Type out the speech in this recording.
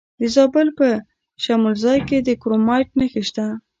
د زابل په شمولزای کې د کرومایټ نښې شته.